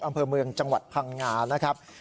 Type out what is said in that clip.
อำเภอเมืองจังหวัดพังงานะครับ